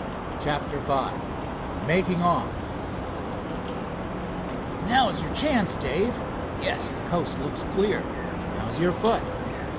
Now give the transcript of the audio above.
CHAPTER V MAKING OFF "Now is your chance, Dave." "Yes, the coast looks clear." "How's your foot?"